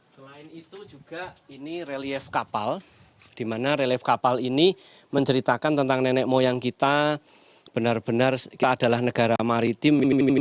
selain itu juga ini relief kapal di mana relief kapal ini menceritakan tentang nenek moyang kita benar benar adalah negara maritim